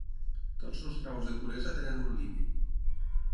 Tots els graus de puresa tenen un límit.